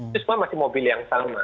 itu semua masih mobil yang sama